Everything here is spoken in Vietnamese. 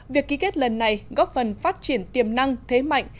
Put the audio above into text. việc ký kết lần này góp phần phát triển tiềm năng thế mạnh